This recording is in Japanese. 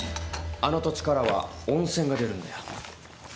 あの土地からは温泉が出るんだよ。